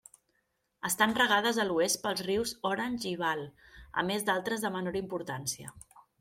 Estan regades a l'oest pels rius Orange i Vaal, a més d'altres de menor importància.